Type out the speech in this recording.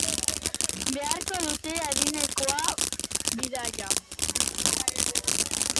Gutuna jasota, bidaia-agentziara joan beharko dute adinekoek bidaia erosteko.